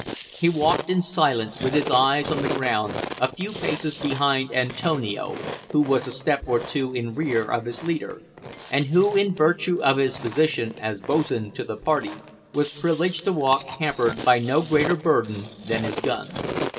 He walked in silence, with his eyes on the ground, a few paces behind Antonio, who was a step or two in rear of his leader, and who, in virtue of his position as "bo's'n" to the party, was privileged to walk hampered by no greater burden than his gun.